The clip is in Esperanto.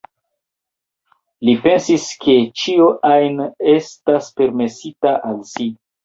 Li pensis ke ĉio ajn estas permesita al si.